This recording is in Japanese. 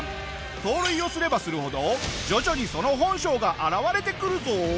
盗塁をすればするほど徐々にその本性が現れてくるぞ！